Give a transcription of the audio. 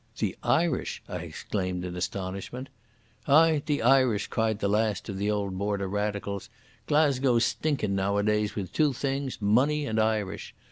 "The Irish!" I exclaimed in astonishment. "Ay, the Irish," cried the last of the old Border radicals. "Glasgow's stinkin' nowadays with two things, money and Irish.